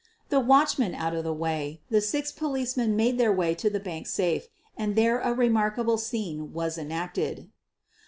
The watchmen out of the way/ the six policemen made their way to the bank safe and there a remark QUEEN OF THE BURGLARS 179 able scene was enacted.